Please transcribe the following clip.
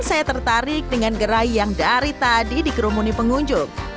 saya tertarik dengan gerai yang dari tadi dikerumuni pengunjung